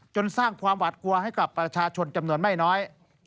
สร้างความหวาดกลัวให้กับประชาชนจำนวนไม่น้อย